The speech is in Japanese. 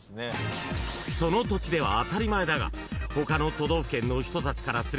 ［その土地では当たり前だが他の都道府県の人たちからすればびっくり］